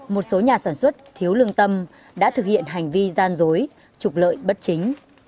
một số nhà sản xuất thiếu lương tâm đã thực hiện hành vi gian dối trục lợi bất chính